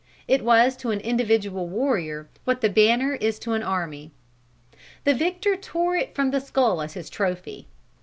It was to an individual warrior what the banner is to an army. The victor tore it from the skull as his trophy.